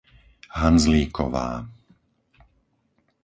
Hanzlíková